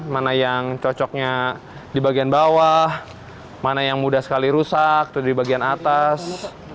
mana yang cocoknya di bagian bawah mana yang mudah sekali rusak itu di bagian atas